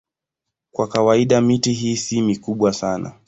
Kwa kawaida miti hii si mikubwa sana.